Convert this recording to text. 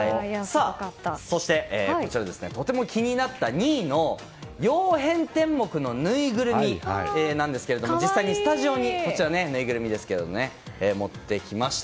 そして、とても気になった２位の曜変天目のぬいぐるみなんですが実際にスタジオに持ってきました。